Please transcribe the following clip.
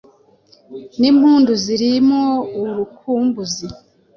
Nimpundu ziri mwo urukumbuzi,